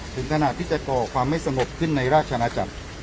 ถึงขนาดที่จะก่อความไม่สงบขึ้นในราชนาจักร